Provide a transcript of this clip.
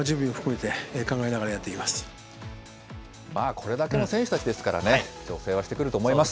これだけの選手たちですからね、調整はしてくると思います。